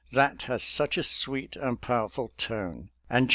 That has such a sweet and powerful tone, and Jack J.